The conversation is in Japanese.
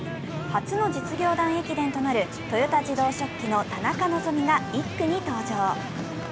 初の実業団駅伝となる豊田自動織機の田中希実が１区に登場。